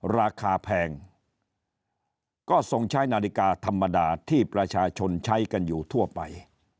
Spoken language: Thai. ราคาแพงก็ทรงใช้นาฬิกาธรรมดาที่ประชาชนใช้กันอยู่ทั่วไป